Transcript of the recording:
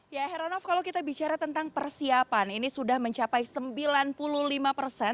ya heranov kalau kita bicara tentang persiapan ini sudah mencapai sembilan puluh lima persen